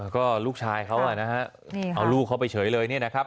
ก็ลูกชายเขานะฮะเอาลูกเขาไปเฉยเลยเนี่ยนะครับ